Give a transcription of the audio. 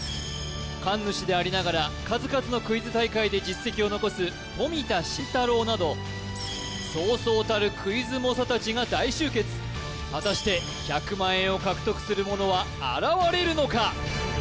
神主でありながら数々のクイズ大会で実績を残す冨田信太郎などそうそうたるクイズ猛者達が大集結果たして１００万円を獲得する者は現れるのか？